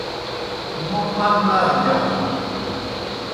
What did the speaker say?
موْ پر نارہ گِاسُس۔